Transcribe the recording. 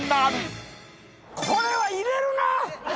これは入れるな。